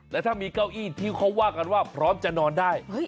และถ้ามีเก้าอี้ที่เขาว่ากันว่าพร้อมจะนอนได้